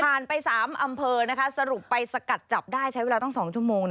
ไป๓อำเภอสรุปไปสกัดจับได้ใช้เวลาตั้ง๒ชั่วโมง